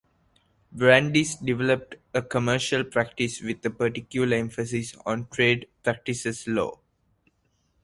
Brandis developed a commercial practice with a particular emphasis on trade practices law.